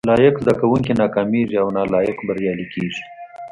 لايق زده کوونکي ناکامېږي او نالايق بريالي کېږي